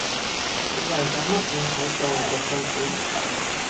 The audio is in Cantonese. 你為咗乜嘢喺度錄句子